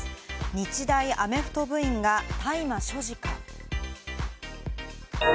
日大アメフト部員が大麻所持か。